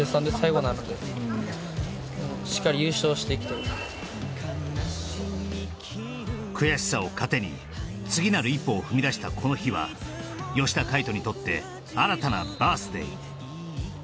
はいもう悔しさを糧に次なる一歩を踏み出したこの日は吉田海人にとって新たなバース・デイ